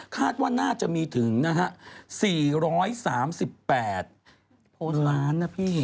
คาดว่าน่าจะมีถึงนะฮะ๔๓๘ล้านนะพี่